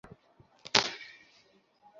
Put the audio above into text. এরা জীবনেও বুঝবে না।